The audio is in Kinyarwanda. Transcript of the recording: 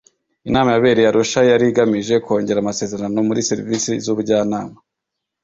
inama yabereye arusha yari igamije kongera amasezerano muri serivisi z'ubujyanama